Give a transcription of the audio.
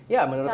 ya menurut aku